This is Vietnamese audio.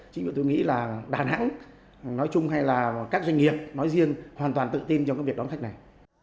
chính vì tôi nghĩ là đà nẵng nói chung hay là các doanh nghiệp nói riêng hoàn toàn tự tin trong cái việc đón khách này